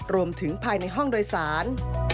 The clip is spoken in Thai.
รวมถึงภายในห้องโดยสาร